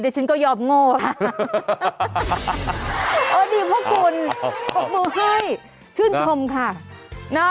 เดี๋ยวฉันก็ยอมโง่ค่ะโอ้ดีพวกคุณพวกมึงเฮ้ยชื่นชมค่ะน่ะ